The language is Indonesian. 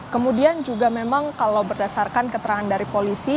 kemudian juga memang kalau berdasarkan keterangan dari polisi